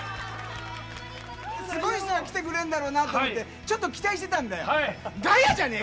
すごい人が来てくれんだろうなと思って、ちょっと期待してたんだよ。